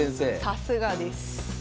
さすがです。